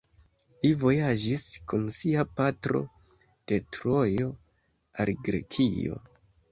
Li vojaĝis kun sia patro de Trojo al Grekio.